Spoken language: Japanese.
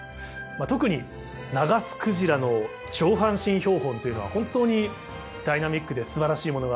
特にナガスクジラの上半身標本というのは本当にダイナミックですばらしいものがあると思います。